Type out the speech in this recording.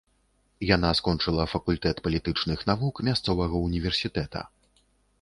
Яна скончыла факультэт палітычных навук мясцовага ўніверсітэта.